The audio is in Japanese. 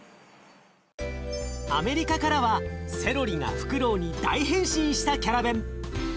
アメリカからはセロリがふくろうに大変身したキャラベン。